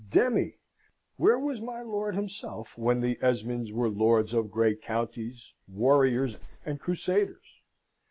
Demmy! Where was my lord himself when the Esmonds were lords of great counties, warriors, and Crusaders?